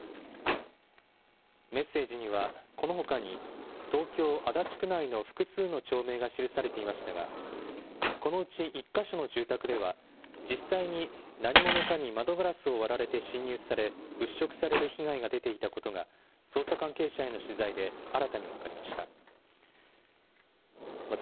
メッセージにはこのほかに、東京・足立区内の複数の町名が記されていましたが、このうち１か所の住宅では、実際に何者かに窓ガラスを割られて侵入され、物色される被害が出ていたことが捜査関係者への取材で新たに分かりました。